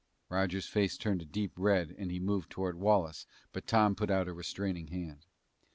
"_ Roger's face turned a deep red and he moved toward Wallace, but Tom put out a restraining hand.